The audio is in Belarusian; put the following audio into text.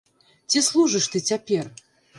Ці служыш ты цяпер?